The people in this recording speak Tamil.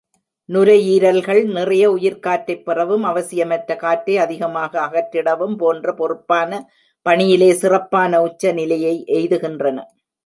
நுரையீரல்கள் நிறைய உயிர்க்காற்றைப் பெறவும், அவசியமற்ற காற்றை அதிகமாக அகற்றிடவும் போன்ற பொறுப்பான பணியிலே சிறப்பான உச்சநிலையை எய்துகின்றன.